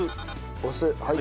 お酢はい。